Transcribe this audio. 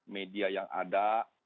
media yang ada